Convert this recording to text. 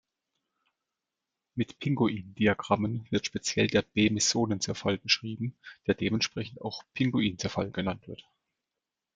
Mit Pinguin-Diagrammen wird speziell der B-Mesonen-Zerfall beschrieben, der dementsprechend auch Pinguin-Zerfall genannt wird.